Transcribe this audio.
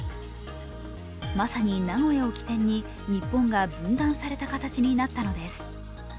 まさに名古屋を起点に日本が分断された形になったのです。